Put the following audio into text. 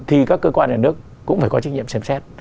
thì các cơ quan nhà nước cũng phải có trách nhiệm xem xét